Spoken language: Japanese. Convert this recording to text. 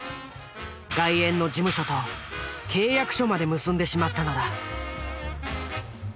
外苑の事務所と契約書まで結んでしまったのだ。